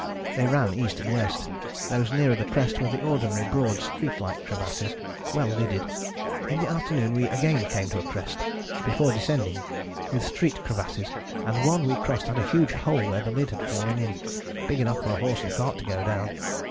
They ran east and west. Those nearer the crest were the ordinary broad street like crevasses, well lidded. In the afternoon we again came to a crest, before descending, with street crevasses, and one we crossed had a huge hole where the lid had fallen in, big enough for a horse and cart to go down.